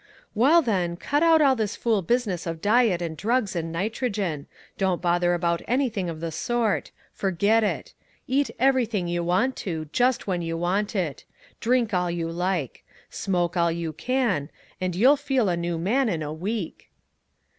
"Well, then, cut out all this fool business of diet and drugs and nitrogen. Don't bother about anything of the sort. Forget it. Eat everything you want to, just when you want it. Drink all you like. Smoke all you can and you'll feel a new man in a week."